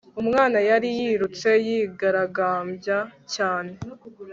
umwana yari yirutse, yigaragambya cyane